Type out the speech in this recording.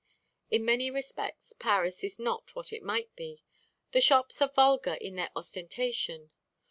In many respects Paris is not what it might be. The shops are vulgar in their ostentation.